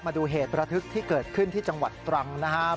มาดูเหตุประทึกที่เกิดขึ้นที่จังหวัดตรังนะครับ